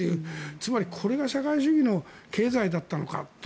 つまりこれが社会主義の経済だったのかと。